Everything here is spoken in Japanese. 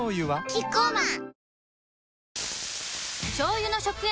キッコーマン